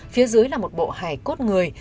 phía dưới là một bộ hải cốt người